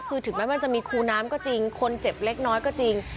คือถึงแม้มันจะมีคูน้ำก็จริงคนเจ็บเล็กน้อยก็จริง